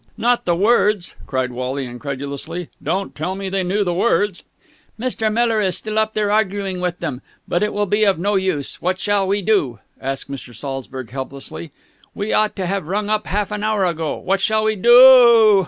"Not the words?" cried Wally incredulously. "Don't tell me they knew the words!" "Mr. Miller is still up there, arguing with them. But it will be of no use. What shall we do?" asked Mr. Saltzburg helplessly. "We ought to have rung up half an hour ago. What shall we do oo oo?"